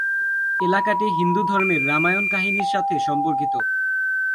এলাকাটি হিন্দু ধর্মের রামায়ণ কাহিনীর সাথে সম্পর্কিত।